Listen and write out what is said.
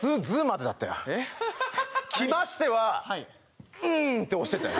「きまして」はウーンて押してたよ